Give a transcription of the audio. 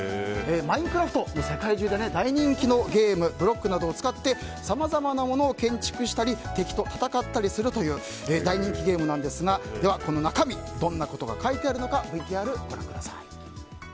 「マインクラフト」は世界中で大人気のゲームブロックなどを使ってさまざまなものを建築したり敵と戦ったりするという大人気ゲームなんですがでは、この中身どんなことが書いてあるのかＶＴＲご覧ください。